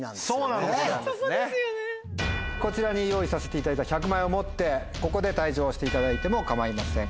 こちらに用意させていただいた１００万円を持ってここで退場していただいても構いません。